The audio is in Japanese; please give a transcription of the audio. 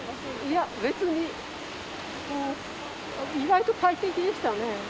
いや別に意外と快適でしたね。